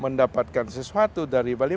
mendapatkan sesuatu dari bali